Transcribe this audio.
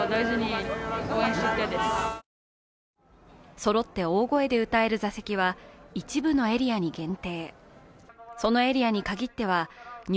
そろって大声で歌える座席は一部のエリアに限定。